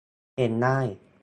เห็นได้